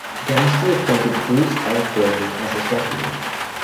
Dembski appointed Bruce L. Gordon as his deputy.